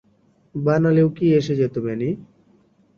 বানালেও কি এসে যেতো, ম্যানি?